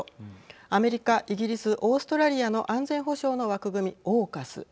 アメリカ、イギリスオーストラリアの安全保障の枠組み、ＡＵＫＵＳ